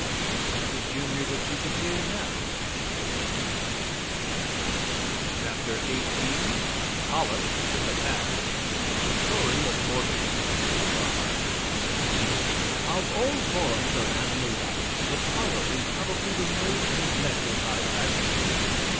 That is Junior that you can hear now, I think. XVIII POLYP WITH A PAST THE STORY OF AN ORGANISM WITH A HEART Of all forms of animal life, the polyp is probably the most neglected by fanciers.